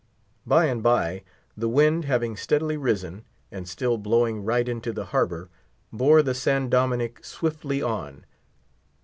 By and by, the wind having steadily risen, and still blowing right into the harbor bore the San Dominick swiftly on.